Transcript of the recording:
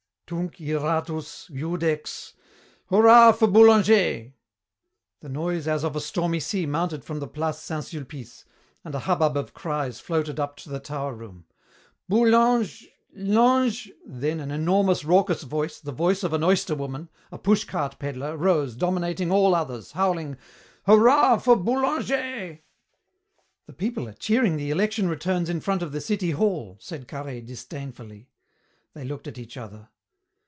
"'Tunc iratus Judex '" "Hurrah for Boulanger!" The noise as of a stormy sea mounted from the Place Saint Sulpice, and a hubbub of cries floated up to the tower room. "Boulange Lange " Then an enormous, raucous voice, the voice of an oyster woman, a push cart peddler, rose, dominating all others, howling, "Hurrah for Boulanger!" "The people are cheering the election returns in front of the city hall," said Carhaix disdainfully. They looked at each other.